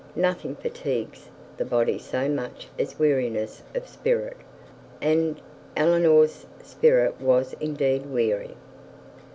Nothing fatigues the body so much as weariness of spirit, and Eleanor's spirit was indeed weary.